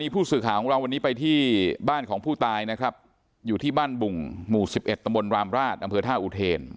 ผู้สื่อข่าวของเราวันนี้ไปที่บ้านของผู้ตายนะครับอยู่ที่บ้านบุ่งหมู่๑๑ตำบลรามราชอำเภอท่าอุเทน